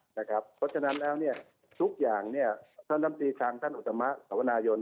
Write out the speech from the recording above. เพราะฉะนั้นแล้วทุกอย่างท่านน้ำตีทางท่านอุตมะสวนายน